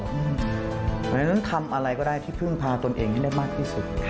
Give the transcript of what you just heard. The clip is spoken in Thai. เพราะฉะนั้นทำอะไรก็ได้ที่พึ่งพาตนเองให้ได้มากที่สุด